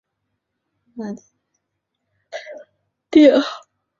扶桑町为爱知县北部的町。